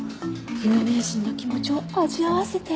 有名人の気持ちを味わわせて。